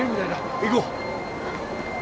行こう。